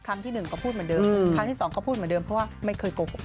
ที่หนึ่งก็พูดเหมือนเดิมครั้งที่สองก็พูดเหมือนเดิมเพราะว่าไม่เคยโกหก